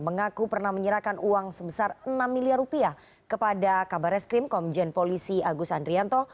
mengaku pernah menyerahkan uang sebesar enam miliar rupiah kepada kabar reskrim komjen polisi agus andrianto